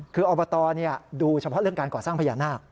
คืออบตดูเฉพาะเรื่องการก่อสร้างพญานาค